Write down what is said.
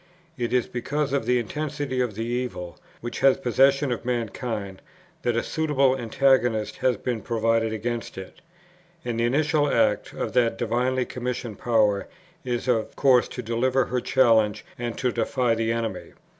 It is because of the intensity of the evil which has possession of mankind, that a suitable antagonist has been provided against it; and the initial act of that divinely commissioned power is of course to deliver her challenge and to defy the enemy.